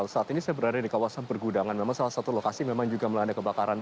saat ini saya berada di kawasan pergudangan memang salah satu lokasi memang juga melanda kebakaran